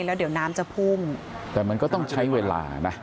แล้วเดี๋ยวน้ำจะพุ่งแต่มันก็ต้องใช้เวลานะ